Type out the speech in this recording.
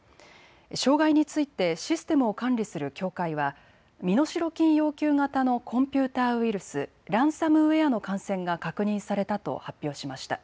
障害についてシステムを管理する協会は身代金要求型のコンピューターウイルス、ランサムウエアの感染が確認されたと発表しました。